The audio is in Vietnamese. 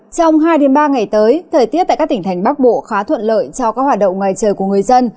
trong hai ba ngày tới thời tiết tại các tỉnh thành bắc bộ khá thuận lợi cho các hoạt động ngoài trời của người dân